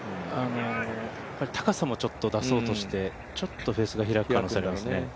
高さもちょっと出そうとして、ちょっとフェースが開く可能性がありますね。